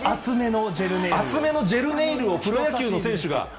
厚めのジェルネイルをプロ野球の選手が。